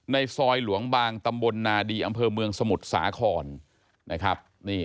ในซอยหลวงบางตำบลนาดีอำเภอเมืองสมุทรสาครนะครับ